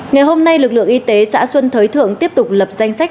ngày hôm nay lực lượng y tế xã xuân thới thượng tiếp tục lập danh sách